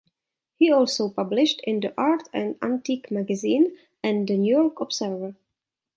He also published in the "Art and Antiques Magazine" and "The New York Observer".